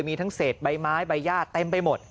มีทั้งเศษใบไม้ใบญาติเต็มไปหมด